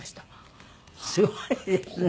すごいですね。